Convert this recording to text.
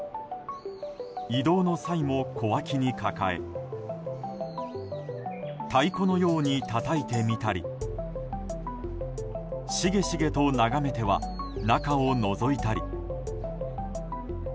移動の際も小脇に抱え太鼓のようにたたいてみたりしげしげと眺めては中をのぞいたり。